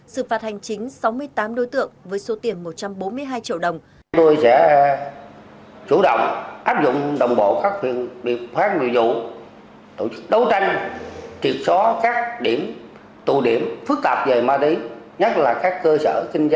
sự phạt hành chính sáu mươi tám đối tượng với số tiền một trăm bốn mươi hai triệu đồng